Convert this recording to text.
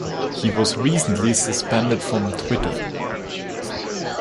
He was recently suspended from Twitter.